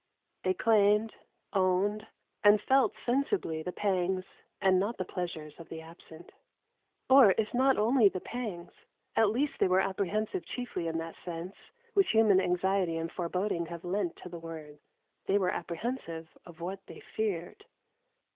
They claimed, owned, and felt sensibly the pangs and not the pleasures of the absent. Or if not only the pangs, at least they were apprehensive chiefly in that sense which human anxiety and foreboding have lent to the word; they were apprehensive of what they feared.